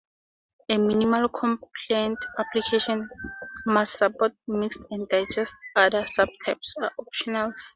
A minimally compliant application must support mixed and digest; other subtypes are optional.